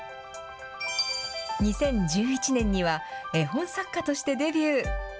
２０１１年には、絵本作家としてデビュー。